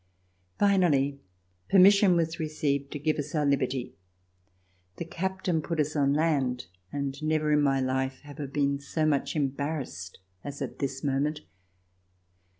Finally permission was received to give us our liberty. The captain put us on land, and never in my life have I been so much embarrassed as at this moment.